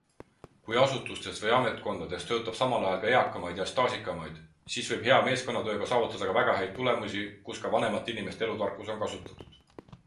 Kui asutustes või ametkondades töötab samal ajal ka eakamaid ja staažikamaid, siis võib hea meeskonnatööga saavutada ka väga häid tulemusi, kus ka vanemate inimeste elutarkus on kasutatud!